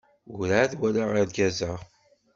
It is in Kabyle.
Urɛad walaɣ argaz-a.